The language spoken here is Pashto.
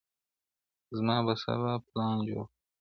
زه به سبا پلان جوړ کړم؟